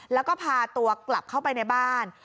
แล้วก็พาตัวกลับเข้าไปในบ้าน